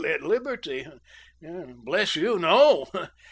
"At liberty? Bless you, no!